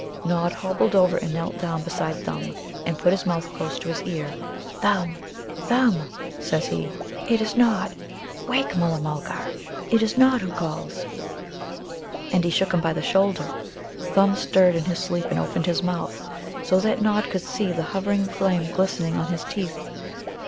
Nod hobbled over and knelt down beside Thumb, and put his mouth close to his ear. "Thumb, Thumb," says he, "it is Nod! Wake, Mulla mulgar; it is Nod who calls!" And he shook him by the shoulder. Thumb stirred in his sleep and opened his mouth, so that Nod could see the hovering flame glistening on his teeth.